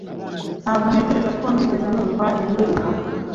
ntabwo ntekereza ko nigeze numva iyi ndirimbo